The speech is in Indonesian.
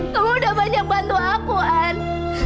kamu udah banyak bantu aku an